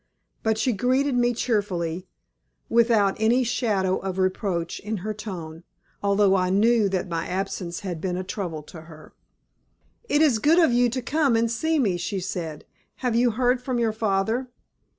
But she greeted me cheerfully, without any shadow of reproach in her tone, although I knew that my absence had been a trouble to her. "It is good of you to come and see me," she said. "Have you heard from your father?"